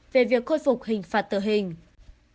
về việc khôi phục hình phạt tử hình